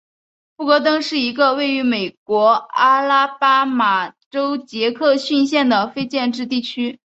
希格登是一个位于美国阿拉巴马州杰克逊县的非建制地区。